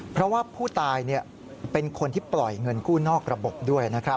เพราะว่าผู้ตายเป็นคนที่ปล่อยเงินกู้นอกระบบด้วยนะครับ